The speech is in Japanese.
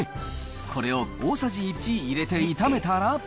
これを大さじ１入れて炒めたら。